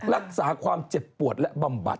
รักษาความเจ็บปวดและบำบัด